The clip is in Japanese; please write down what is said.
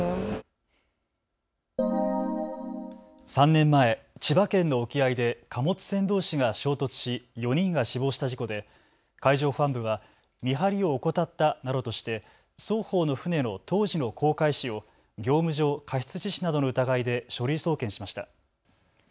３年前、千葉県の沖合で貨物船どうしが衝突し４人が死亡した事故で海上保安部は見張りを怠ったなどとして双方の船を当時の航海士を業務上過失致死などの疑いで書類送検しました。